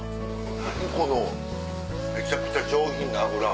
何このめちゃくちゃ上品な脂。